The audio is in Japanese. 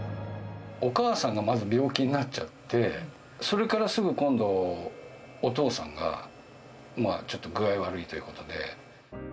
お母さんが、まず病気になっちゃって、それからすぐ今度、お父さんがちょっと具合が悪いということで。